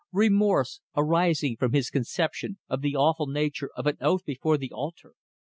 Remorse, arising from his conception of the awful nature of an oath before the altar.